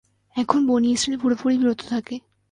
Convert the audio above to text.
এখন বনী ইসরাঈল পুরোপুরি বিরত থাকে।